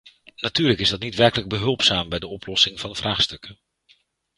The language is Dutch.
Natuurlijk is dat niet werkelijk behulpzaam bij de oplossing van vraagstukken.